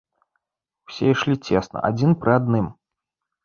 Усе ішлі цесна адзін пры адным.